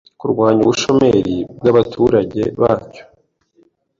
kurwanya ubushomeri bw’abaturage bacyo,